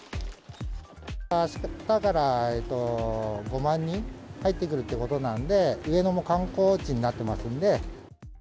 あしたから５万人入ってくるっていうことなんで、上野も観光地になってますので。